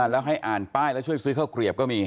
แล้วให้อ่านประวัติก็ช่วยซื้อข้ากรีบก็มี